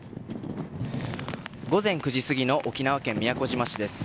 午前９時過ぎの沖縄県宮古島市です。